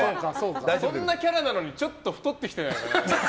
そんなキャラなのにちょっと太ってきてない？